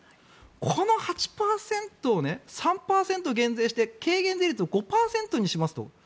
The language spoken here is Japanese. この８％を３％減税して軽減税率を５％にしますと。